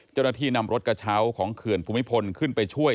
เจ้าหน้าที่นำรถกระเช้าของเขื่อนภูมิพลขึ้นไปช่วย